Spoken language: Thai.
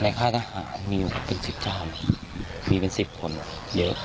ในค่าทหารมีเป็นสิบเจ้ามีเป็นสิบคนเยอะ